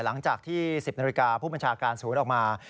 หลังจากที่๑๐นาฬิกาผู้บัญชาการศูนย์ออกมา